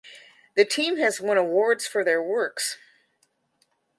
The team has won awards for their works.